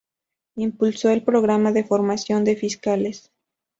Impulsó el Programa de Formación de Fiscales.